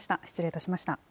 失礼いたしました。